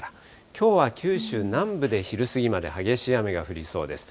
きょうは九州南部で昼過ぎまで激しい雨が降りそうです。